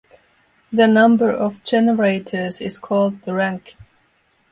The number of generators is called the rank.